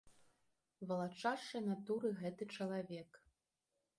Валачашчай натуры гэты чалавек.